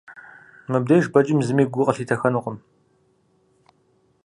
Мыбдеж бэджым зыми гу къылъитэхэнукъым.